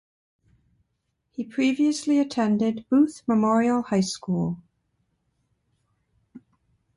He previously attended Booth Memorial High School.